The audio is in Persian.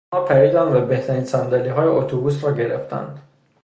آنها پریدند و بهترین صندلیهای اتوبوس را گرفتند.